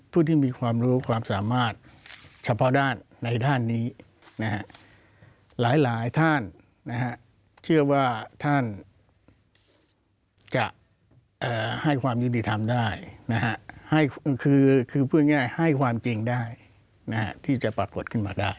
ผู้ที่มีความรู้ความสามารถเฉพาะด้านในด้านนี้นะฮะหลายท่านนะฮะเชื่อว่าท่านจะให้ความยุติธรรมได้นะฮะให้คือพูดง่ายให้ความจริงได้นะฮะที่จะปรากฏขึ้นมาได้